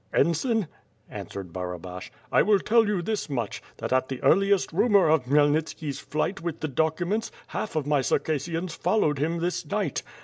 *' "Ensign," answered Barabash, "I will tell you this much, that at the earliest rumor of Khmyelnitski's flight with tlic documents, half of my Circassians followed him this niglit.